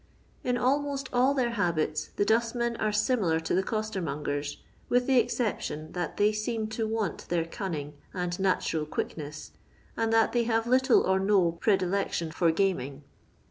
la almoit all their hafaiti the Bnitmea are timilar to the OoatenBongeriy with the exception that thej leem to want their dmniiig and natural qnielEBeH^ and that thej have little or no pre dilection for gaming.